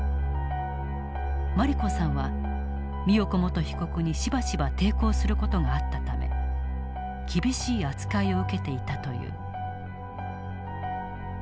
茉莉子さんは美代子元被告にしばしば抵抗する事があったため厳しい扱いを受けていたという。